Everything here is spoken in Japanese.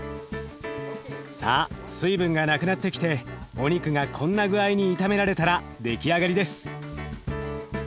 さあ水分が無くなってきてお肉がこんな具合に炒められたら出来上がりです。